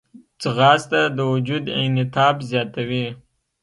ځغاسته د وجود انعطاف زیاتوي